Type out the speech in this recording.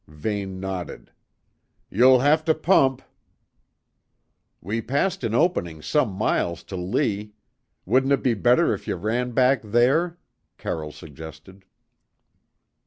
Vane nodded. "You'll have to pump." "We passed an opening some miles to lee. Wouldn't it be better if you ran back there?" Carroll suggested.